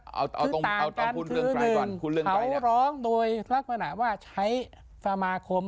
นะครับคือต่างกันคือหนึ่งเขาร้องโดยลักษณะว่าใช้สมาคม